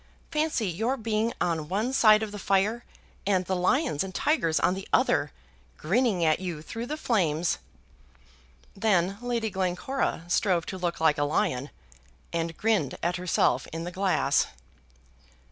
Fancy your being on one side of the fire and the lions and tigers on the other, grinning at you through the flames!" Then Lady Glencora strove to look like a lion, and grinned at herself in the glass.